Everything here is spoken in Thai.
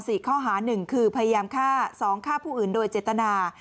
สี่ข้อหาหนึ่งคือพยายามฆ่าสองฆ่าผู้อื่นโดยเจตนา